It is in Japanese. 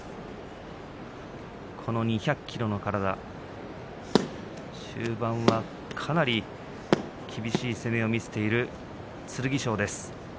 この２００ｋｇの体終盤はかなり厳しい攻めを見せている剣翔です。